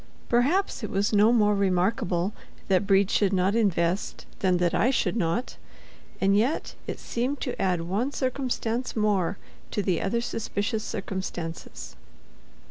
Perhaps it was no more remarkable that Brede should not invest than that I should not—and yet, it seemed to add one circumstance more to the other suspicious circumstances.